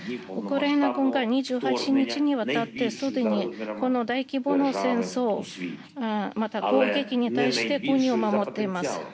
ウクライナ軍が２８日にわたってすでにこの大規模な戦争、また攻撃に対して国を守っています。